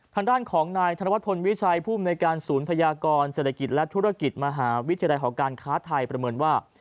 ทางด้านของนายธนวัฒนวิชัยภูมิในการศูนย์พยากรเศรษฐกิจและธุรกิจมหาวิทยาลัยหอการค้าไทยประเมินว่า